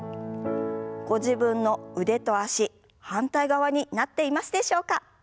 ご自分の腕と脚反対側になっていますでしょうか？